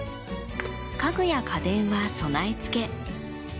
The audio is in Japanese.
家具や家電は備え付け。